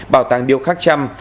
bảo tàng điêu khắc trăm